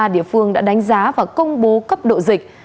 sáu mươi ba địa phương đã đánh giá và công bố cấp độ dịch